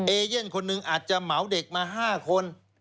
เอเย่นคนหนึ่งอาจจะเหมาเด็กมา๕คน